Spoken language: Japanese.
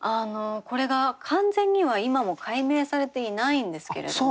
これが完全には今も解明されていないんですけれども。